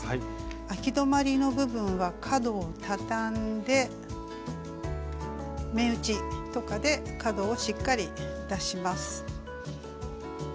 あき止まりの部分は角をたたんで目打ちとかで角をしっかり出します。